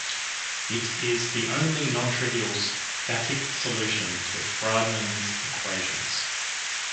It is the only non-trivial static solution to Friedmann's equations.